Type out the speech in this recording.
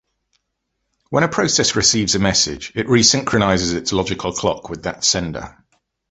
When a process receives a message, it resynchronizes its logical clock with that sender.